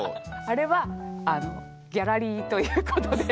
あれはあのギャラリーということで。